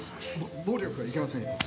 暴力はいけませんよ。